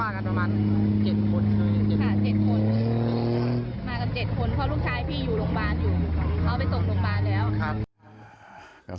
มากันประมาณ๗คนเพราะลูกชายพี่อยู่โรงบาลอยู่เอาไปส่งโรงบาลแล้ว